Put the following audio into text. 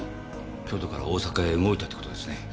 京都から大阪へ動いたってことですね。